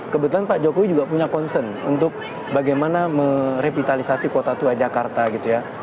kebetulan pak jokowi juga punya concern untuk bagaimana merevitalisasi kota tua jakarta gitu ya